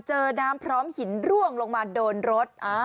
เจอน้ำพร้อมหินร่วงลงมาโดนรถ